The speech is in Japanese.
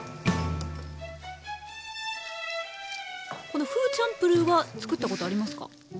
このフーチャンプルーは作ったことありますか？